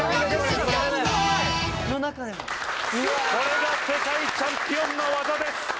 これが世界チャンピオンの技です。